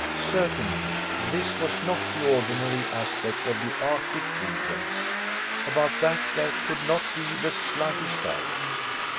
Certainly this was not the ordinary aspect of the arctic regions. About that there could not be the slightest doubt.